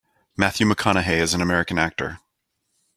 Matthew McConaughey is an American actor.